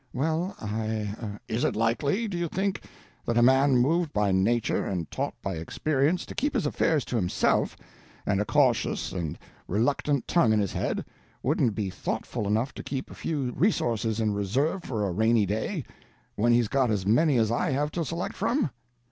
"Well, I—er—" "Is it likely, do you think, that a man moved by nature and taught by experience to keep his affairs to himself and a cautious and reluctant tongue in his head, wouldn't be thoughtful enough to keep a few resources in reserve for a rainy day, when he's got as many as I have to select from?"